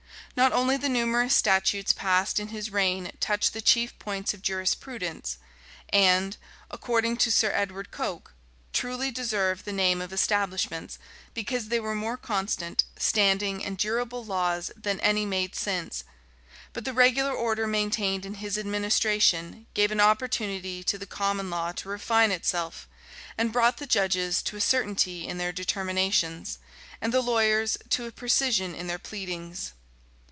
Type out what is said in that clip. Not only the numerous statutes passed in his reign touch the chief points of jurisprudence, and, according to Sir Edward Coke,[*] truly deserve the name of establishments, because they were more constant, standing, and durable laws than any made since; but the regular order maintained in his administration gave an opportunity to the common law to refine itself, and brought the judges to a certainty in their determinations, and the lawyers to a precision in their pleadings.